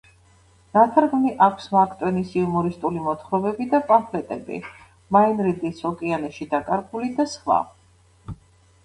ნათარგმნი აქვს მარკ ტვენის „იუმორისტული მოთხრობები და პამფლეტები“, მაინ რიდის „ოკეანეში დაკარგული“ და სხვა.